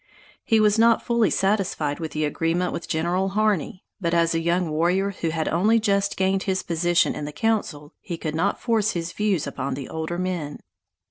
He was not fully satisfied with the agreement with General Harney; but as a young warrior who had only just gained his position in the council, he could not force his views upon the older men.